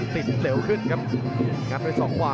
ติดเร็วขึ้นครับงัดด้วยสองขวา